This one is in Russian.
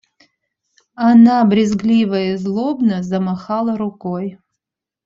Она брезгливо и злобно замахала рукой.